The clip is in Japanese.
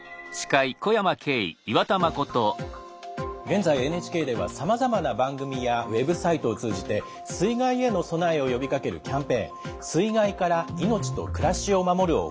現在ＮＨＫではさまざまな番組やウェブサイトを通じて水害への備えを呼びかけるキャンペーン「水害から命と暮らしを守る」を行っています。